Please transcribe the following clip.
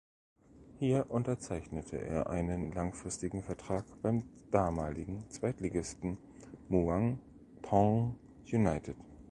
Hier unterzeichnete er einen langfristigen Vertrag beim damaligen Zweitligisten Muangthong United.